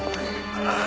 ああ。